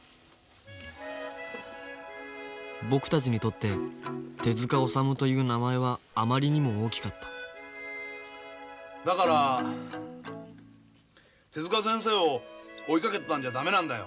僕たちにとって手治虫という名前はあまりにも大きかっただから手先生を追いかけてたんじゃダメなんだよ。